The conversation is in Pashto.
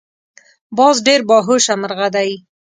باز ډیر باهوشه مرغه دی